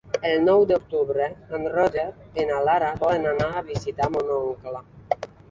El nou d'octubre en Roger i na Lara volen anar a visitar mon oncle.